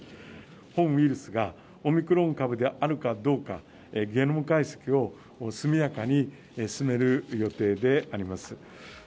本ウイルスがオミクロン株であるかどうか、ゲノム解析を速やかに進める予定であります。